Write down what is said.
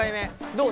どう？